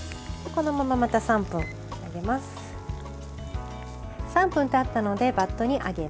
このまま、また３分揚げます。